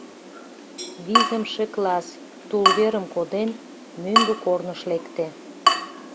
Визымше класс, тулверым коден, мӧҥгӧ корныш лекте.